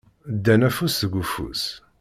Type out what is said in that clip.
Ddan afus deg ufus.